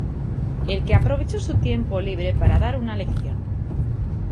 el que aprovechó su tiempo libre para dar una lección